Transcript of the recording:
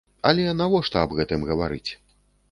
Але навошта аб гэтым гаварыць?